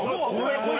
これ！